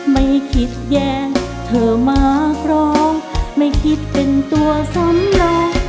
ไม่คิดแย้งเธอมากรองไม่คิดเป็นตัวสำรอง